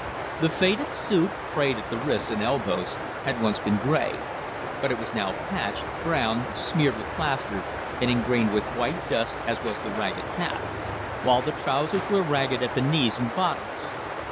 The faded suit, frayed at the wrists and elbows, had once been grey, but it was now patched, brown, smeared with plaster, and ingrained with white dust, as was the ragged cap; while the trousers were ragged at the knees and bottoms.